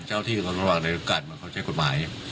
เจ้าที่ก็ระหว่างในทุกการเข้าใช้กฎหมาย